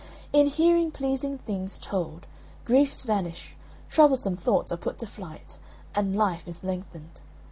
In hearing pleasing things told, griefs vanish, troublesome thoughts are put to flight and life is lengthened.